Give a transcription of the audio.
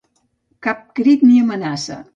Cap crit ni amenaça.